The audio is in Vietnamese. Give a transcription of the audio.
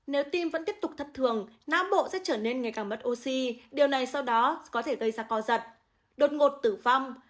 nếu tim vẫn tiếp tục thất thường não bộ sẽ trở nên ngày càng mất oxy điều này sau đó có thể gây ra co giật đột ngột tử vong